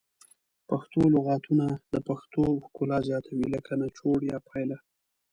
پښتو لغتونه د پښتو ښکلا زیاتوي لکه نچوړ یا پایله